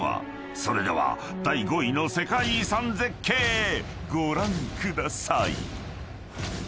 ［それでは第５位の世界遺産絶景ご覧ください］